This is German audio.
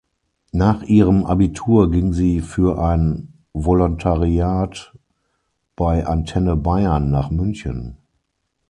Nach ihrem Abitur ging sie für ein Volontariat bei Antenne Bayern nach München.